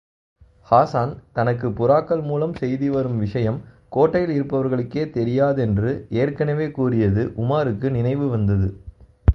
ஹாஸான், தனக்குப் புறாக்கள் மூலம் செய்திவரும் விஷயம் கோட்டையில் இருப்பவர்களுக்கே தெரியாதென்று ஏற்கெனவே கூறியது உமாருக்கு நினைவுவந்தது.